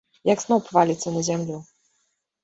Як сноп валіцца на зямлю.